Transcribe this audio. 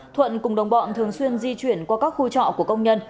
thuận cùng đồng bọn thường xuyên di chuyển qua các khu trọ của công nhân